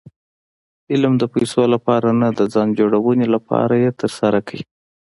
علم د پېسو له پاره نه، د ځان جوړوني له پاره ئې ترسره کړئ.